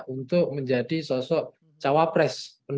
untuk menjadi sosok cawapres